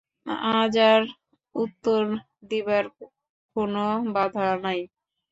আজ আর উত্তর দিবার কোনো বাধা নাই।